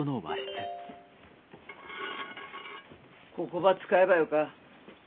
ここば使えばよか。